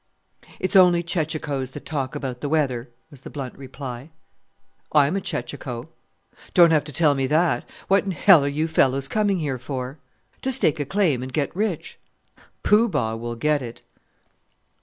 "It's only chechachoes that talk about the weather," was the blunt reply. "I'm a chechacho." "Don't have to tell me that: what in hell are you fellows coming here for?" "To stake a claim and get rich." "Poo Bah will get it!"